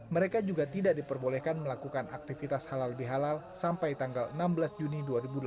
mereka juga tidak diperbolehkan melakukan aktivitas halal bihalal sampai tanggal enam belas juni dua ribu delapan belas